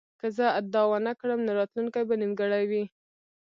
که زه دا ونه کړم نو راتلونکی به نیمګړی وي